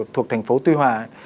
thuộc thành phố tuy hòa